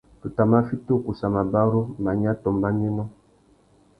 Tu tà mà fiti ukussa mabarú, manya tô mbanuénô.